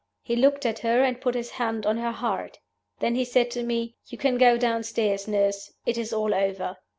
He looked at her, and put his hand on her heart. Then he said to me, 'You can go downstairs, nurse: it is all over.